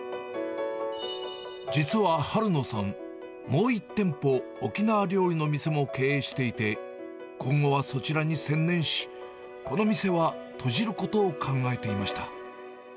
実は春野さん、もう１店舗、沖縄料理の店も経営していて、今後はそちらに専念し、この店は閉じることを考えていました。